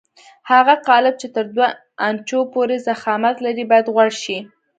هغه قالب چې تر دوه انچو پورې ضخامت لري باید غوړ شي.